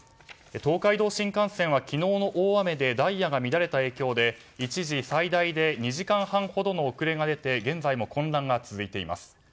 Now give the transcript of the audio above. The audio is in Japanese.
東海道新幹線は昨日の大雨でダイヤが乱れた影響で一時最大で２時間半ほどの遅れが出て現在も混乱が続いています。